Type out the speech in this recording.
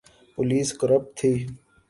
Police corrupt تھی۔